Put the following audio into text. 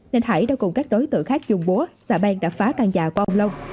nên hải đã cùng các đối tượng khác dùng búa xả bèn đập phá căn nhà của ông long